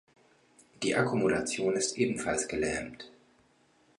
Die Akkommodation ist ebenfalls gelähmt.